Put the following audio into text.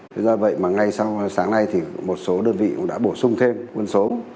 thế do vậy mà ngay sau sáng nay thì một số đơn vị cũng đã bổ sung thêm quân số